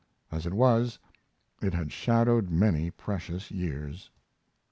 As it was, it had shadowed many precious years.